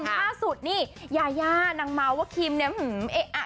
ถ้าสุดนี่ยาย่านั้งเมาท์ว่า